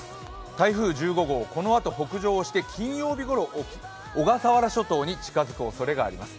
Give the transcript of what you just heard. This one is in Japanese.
台風１５号、このあと北上して金曜日ごろ小笠原諸島に近づくおそれがあります。